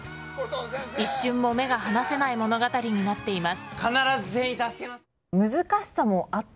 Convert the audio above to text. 一瞬も目が離せない物語になっています。